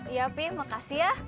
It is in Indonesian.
iya pi makasih ya